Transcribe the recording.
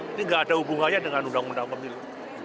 ini nggak ada hubungannya dengan undang undang pemilu